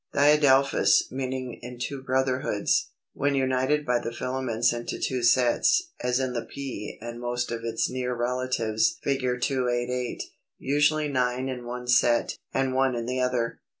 ] Diadelphous (meaning in two brotherhoods), when united by the filaments into two sets, as in the Pea and most of its near relatives (Fig. 288), usually nine in one set, and one in the other.